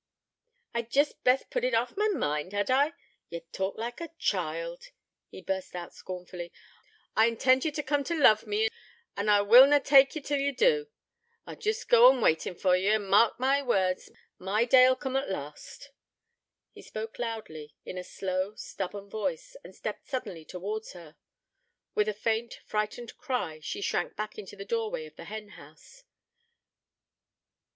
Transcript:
'I'd jest best put it off my mind, had I? Ye talk like a child!' he burst out scornfully. 'I intend ye t' coom t' love me, an' I will na tak ye till ye do. I'll jest go on waitin' for ye, an', mark my words, my day 'ull coom at last.' He spoke loudly, in a slow, stubborn voice, and stepped suddenly towards her. With a faint, frightened cry she shrank back into the doorway of the hen house.